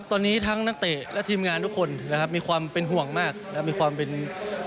ตอนนี้ทั้งนักเตะและทีมงานทุกคนมีความเป็นห่วงมากและกระวนเกี่ยวกับน้องมาก